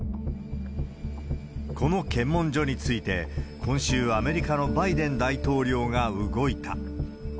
この検問所について、今週、アメリカのバイデン大統領が動いた。